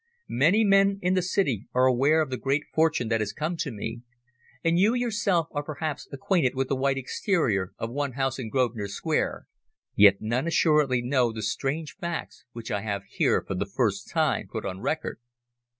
Many men in the City are aware of the great fortune that has come to me, and you yourself are perhaps acquainted with the white exterior of one house in Grosvenor Square, yet none assuredly know the strange facts which I have here for the first time put on record.